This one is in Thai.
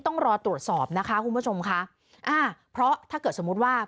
ต้องรอตรวจสอบนะคะคุณผู้ชมค่ะอ่าเพราะถ้าเกิดสมมุติว่า